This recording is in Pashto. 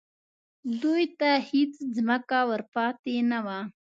دوی ته هېڅ ځمکه ور پاتې نه وه